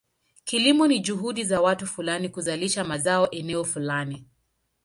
Kilimo ni juhudi za watu fulani kuzalisha mazao eneo fulani.